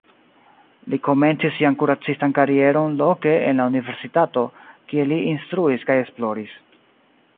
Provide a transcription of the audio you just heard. Li komencis sian kuracistan karieron loke en la universitato, kie li instruis kaj esploris.